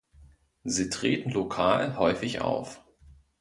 Sie treten lokal häufig auf.